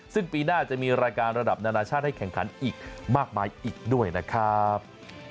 ซึ่งปีหน้าจะมีรายการระดับนานาชาติให้แข่งขันอีกมากมายอีกด้วยนะครับ